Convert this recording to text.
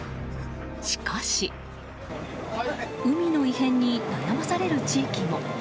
しかし海の異変に悩まされる地域も。